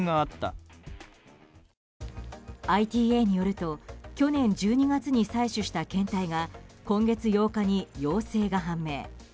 ＩＴＡによると去年１２月に採取した検体が今月８日に陽性が判明。